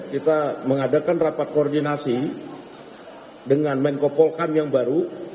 kita mengadakan rapat koordinasi dengan menko polkam yang baru